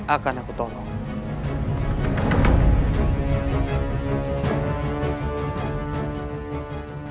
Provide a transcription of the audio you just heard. aku akan menolongmu